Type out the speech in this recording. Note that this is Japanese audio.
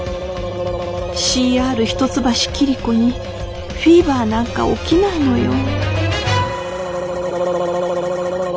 ＣＲ一橋桐子にフィーバーなんか起きないのよ